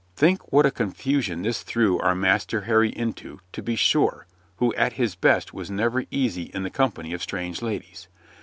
Think what a confusion this threw our Master Harry into, to be sure, who at his best was never easy in the company of strange ladies!